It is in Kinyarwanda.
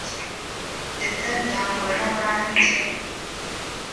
Teta Birangwa n’abandi